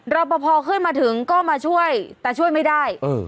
รัฐพอครัวขึ้นมาถึงก็มาช่วยแต่ช่วยไม่ได้เออ